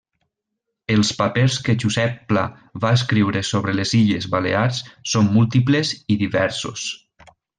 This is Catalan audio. Els papers que Josep Pla va escriure sobre les Illes Balears són múltiples i diversos.